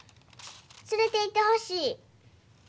連れていってほしい。